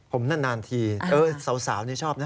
ผมนานทีเออสาวเนี่ยชอบนะ